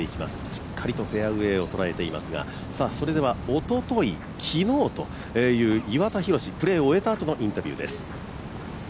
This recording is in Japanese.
しっかりとフェアウエーを捉えていますがそれではおととい、昨日という岩田寛、プレーを終えたあとのインタビューです。